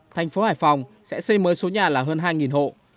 tp hải phòng sẽ xây mới số nhà là hơn hai hộ